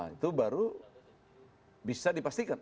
itu baru bisa dipastikan